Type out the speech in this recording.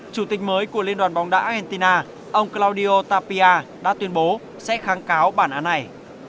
chủ tịch mới của liên đoàn bóng đá argentina ông claudio tapia đã tuyên bố sẽ kháng cáo bản án này